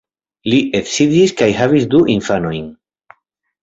Li edziĝis kaj havis du infanojn.